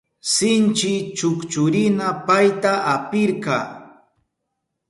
Sinchi chukchurina payta apirka.